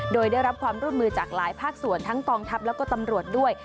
โดยได้รับความร่วมมือจากหลายภาคส่วนทั้งกองทัพแล้วก็ตำรวจด้วย